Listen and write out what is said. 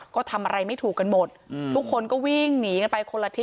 ก็ทำอะไรไม่ถูกกันหมดอืมทุกคนก็วิ่งหนีกันไปคนละทิศ